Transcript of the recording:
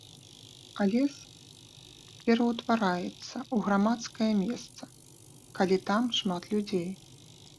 А лес пераўтвараецца ў грамадскае месца, калі там шмат людзей.